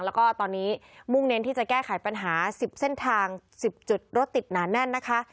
แล้วก็ตอนนี้มุ่งเน้นที่จะแก้ไขปัญหา๑๐เส้นทาง๑๐จุดรถติดหนาแน่นนะคะ